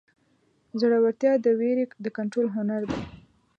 زړهورتیا د وېرې د کنټرول هنر دی.